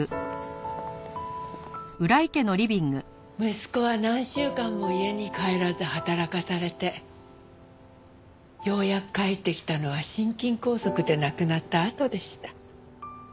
息子は何週間も家に帰らず働かされてようやく帰ってきたのは心筋梗塞で亡くなったあとでした。